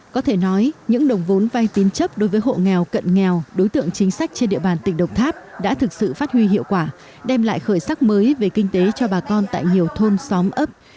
có thể nói những đồng vốn vai tín chấp đối với hộ nghèo cận nghèo đối tượng chính sách trên địa bàn tỉnh độc tháp đã thực sự phát huy hiệu quả đem lại khởi sắc mới về kinh tế cho bà con tại nhiều thôn xóm ấp